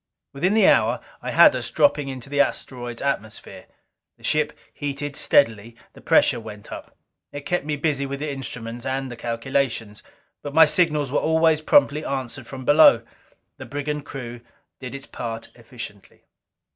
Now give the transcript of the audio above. Within the hour I had us dropping into the asteroid's atmosphere. The ship heated steadily. The pressure went up. It kept me busy with the instruments and the calculations. But my signals were always promptly answered from below. The brigand crew did its part efficiently.